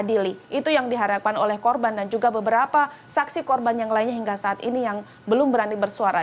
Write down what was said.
jadi ini adalah hal yang diharapkan oleh korban dan juga beberapa saksi korban yang lainnya hingga saat ini yang belum berani bersuara